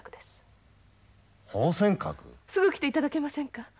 すぐ来ていただけませんか？